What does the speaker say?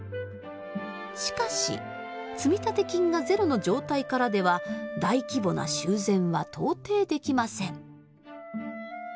しかし積立金がゼロの状態からでは大規模な修繕は到底できません。